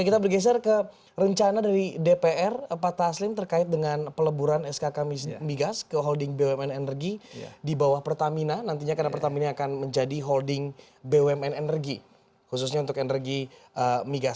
kita bergeser ke rencana dari dpr pak taslim terkait dengan peleburan skk migas ke holding bumn energi di bawah pertamina nantinya karena pertamina akan menjadi holding bumn energi khususnya untuk energi migas